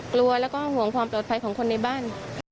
กลัวแล้วก็ห่วงความปลอดภัยของคนในบ้าน